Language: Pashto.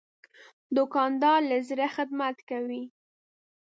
دوکاندار له زړه خدمت کوي.